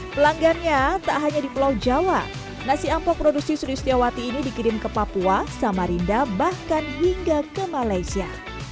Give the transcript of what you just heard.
pelanggannya tak hanya di pulau jawa nasi ampok produksi suri setiawati ini dikirim ke papua samarinda bahkan hingga ke malaysia